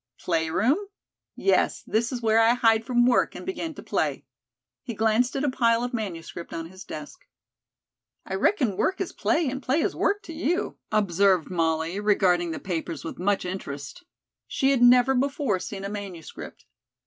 "Play room?" "Yes, this is where I hide from work and begin to play." He glanced at a pile of manuscript on his desk. "I reckon work is play and play is work to you," observed Molly, regarding the papers with much interest. She had never before seen a manuscript.